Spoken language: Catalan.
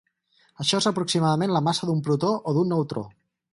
Això és aproximadament la massa d'un protó o d'un neutró.